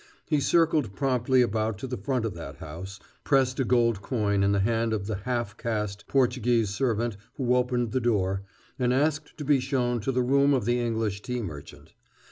He circled promptly about to the front of that house, pressed a gold coin in the hand of the half caste Portuguese servant who opened the door, and asked to be shown to the room of the English tea merchant.